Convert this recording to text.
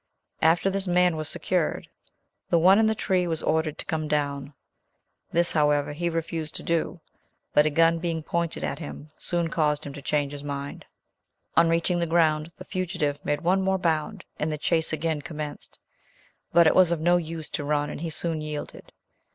After this man was secured, the one in the tree was ordered to come down; this, however, he refused to do, but a gun being pointed at him, soon caused him to change his mind. On reaching the ground, the fugitive made one more bound, and the chase again commenced. But it was of no use to run and he soon yielded.